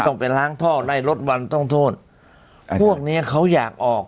ต้องไปล้างท่อไล่ลดวันต้องโทษพวกเนี้ยเขาอยากออก